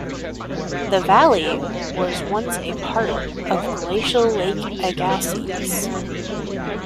The Valley was once a part of glacial Lake Agassiz.